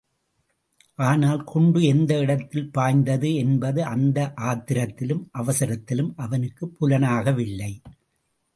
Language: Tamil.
ஆனால் குண்டு எந்த இடத்தில் பாய்ந்தது என்பது அந்த ஆத்திரத்திலும் அவசரத்திலும் அவனுக்குப் புலனாகவில்லை.